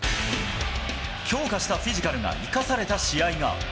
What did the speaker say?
強化したフィジカルが生かされた試合が。